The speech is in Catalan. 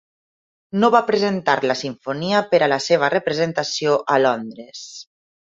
No va presentar la simfonia per a la seva representació a Londres.